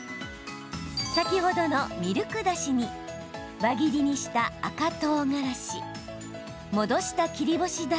先ほどのミルクだしに輪切りにした赤とうがらし戻した切り干し